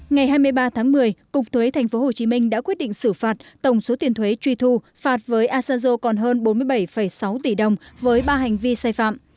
ngày hai mươi ba tháng một mươi cục thuế tp hcm đã quyết định xử phạt tổng số tiền thuế truy thu phạt với asanjo còn hơn bốn mươi bảy sáu tỷ đồng với ba hành vi sai phạm